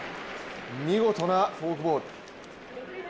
見事なフォークボール。